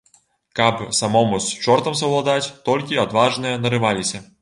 Каб самому з чортам саўладаць, толькі адважныя нарываліся.